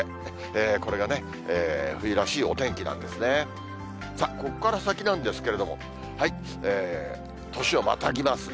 これが冬らしいお天気なんですね。